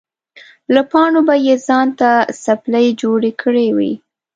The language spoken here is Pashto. له پاڼو به یې ځان ته څپلۍ جوړې کړې وې.